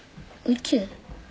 宇宙？